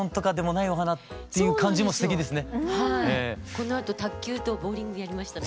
このあと卓球とボウリングやりました。